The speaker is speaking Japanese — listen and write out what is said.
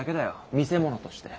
見せ物として。